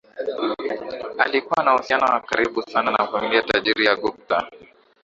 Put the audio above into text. alikuwa na uhusiano wa karibu sana na familia tajiri ya gupta